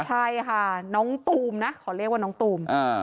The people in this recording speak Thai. ใช่ค่ะน้องตูมนะขอเรียกว่าน้องตูม